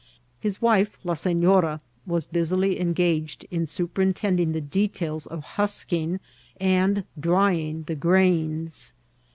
His wife, La Seno ra, was busily engaged in superintending the details of husking and drying the grains.